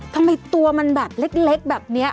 ทำไมตัวมันแบบเล็กแบบนี้